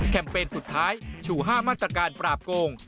แคมเปญสุดท้ายฉู่ห้ามัตการปราบโกง